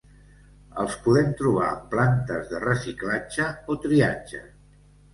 Els podem trobar en plantes de reciclatge o triatge.